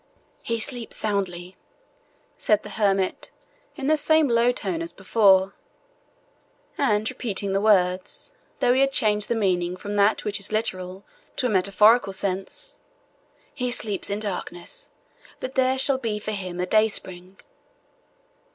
"He sleeps soundly," said the hermit, in the same low tone as before; and repeating the words, though he had changed the meaning from that which is literal to a metaphorical sense "he sleeps in darkness, but there shall be for him a dayspring.